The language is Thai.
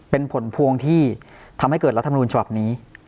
เป็นผลพวงที่ทำให้เกิดรัฐมนูญฉบับนี้